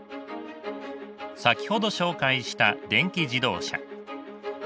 先ほど紹介した電気自動車。